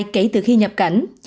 kể từ khi nhập cảnh